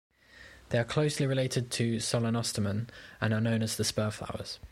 They are closely related to "Solenostemon" and are known as the spurflowers.